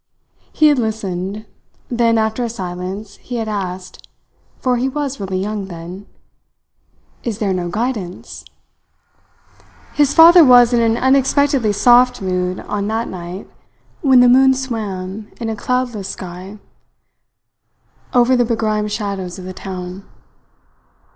He had listened. Then, after a silence, he had asked for he was really young then: "Is there no guidance?" His father was in an unexpectedly soft mood on that night, when the moon swam in a cloudless sky over the begrimed shadows of the town.